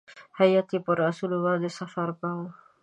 هیات پر آسونو باندې سفر کاوه.